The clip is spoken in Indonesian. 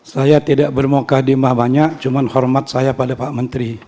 saya tidak bermokah dimah banyak cuma hormat saya pada pak menteri